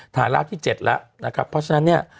ฐานะที่๗แล้วนะครับเพราะฉะนั้นเนี่ย